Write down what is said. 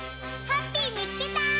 ハッピーみつけた！